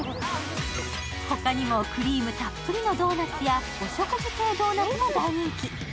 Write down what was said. ほかにもクリームたっぷりのドーナツやお食事系ドーナツも大人気。